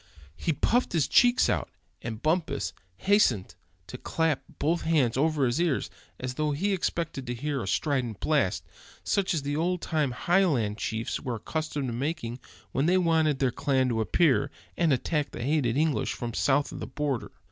He puffed his cheeks out, and Bumpus hastened to clap both hands over his ears, as though he expected to hear a strident blast, such as the old time Highland chiefs were accustomed to making when they wanted their clans to appear, and attack the hated English from south of the border.